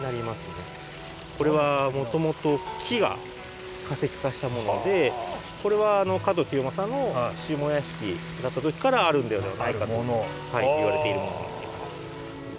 これはもともと木が化石化したものでこれは加藤清正の下屋敷だった時からあるんではないかといわれているものになります。